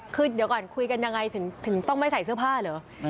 คือเดี๋ยวก่อนคุยกันยังไงถึงต้องไม่ใส่เสื้อผ้าเหรอ